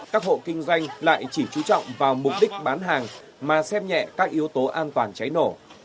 các hộ kinh doanh lại chỉ trú trọng vào mục đích bán hàng mà xem nhẹ các yếu tố an toàn cháy nổ